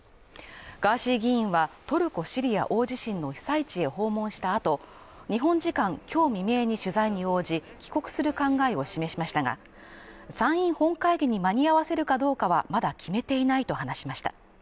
ガーシー議員は、トルコ・シリア大地震の被災地を訪問した後、日本時間今日未明に取材に応じ、帰国する考えを示しましたが、参院本会議に間に合わせるかどうかはまだ決めていないと話しました。